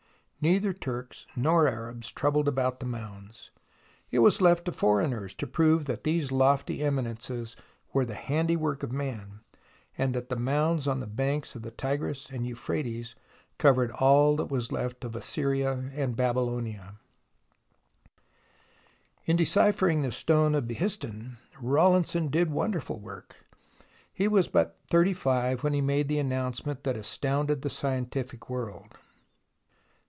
Neither Turks nor Arabs troubled about the mounds. It was left to foreigners to prove that these lofty eminences were the handiwork of man, and that the mounds on the banks of the Tigris and the Euphrates covered all that was left of Ass3n:ia and Babylonia. THE ROMANCE OF EXCAVATION 121 In deciphering the stone of Behistun, Rawlinson did wonderful work. He was but thirty five when he made the announcement that astounded the scientific world.